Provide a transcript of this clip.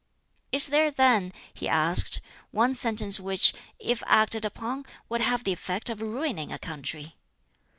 "Is there, then," he asked, "one sentence which, if acted upon, would have the effect of ruining a country?"